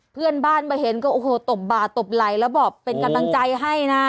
เพื่อนบ้านมาเห็นก็โอ้โหตบบ่าตบไหลแล้วบอกเป็นกำลังใจให้นะ